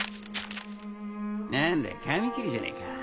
何だ紙切れじゃねえか